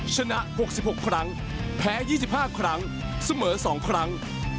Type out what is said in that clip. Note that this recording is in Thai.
ชนะหกสิบหกครั้งแพ้ยี่สิบห้าครั้งเสมอสองครั้ง